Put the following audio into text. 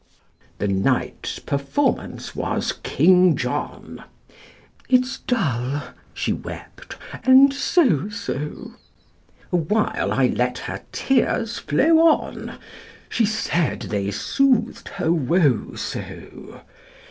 The night's performance was "King John." "It's dull," she wept, "and so so!" Awhile I let her tears flow on, She said they soothed her woe so!